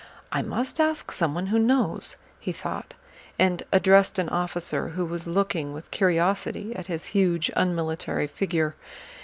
"I must ask someone who knows," he thought, and addressed an officer who was looking with curiosity at his huge unmilitary figure.